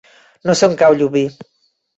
No sé on cau Llubí.